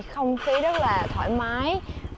không khí rất là thoải mái